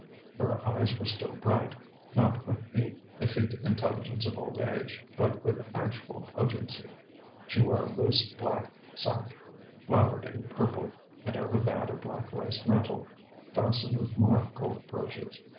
Her eyes were still bright, not with the effete intelligence of old age, but with actual potency. She wore a loose black sack flowered in purple, and over that a black lace mantle, fastened with more gold brooches.